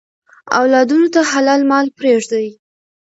اولادونو ته حلال مال پریږدئ.